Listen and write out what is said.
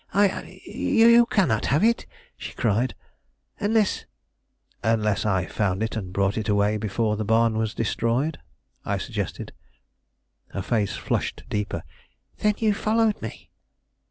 I I you cannot have it!" she cried, "unless " "Unless I found and brought it away before the barn was destroyed," I suggested. Her face flushed deeper. "Then you followed me?"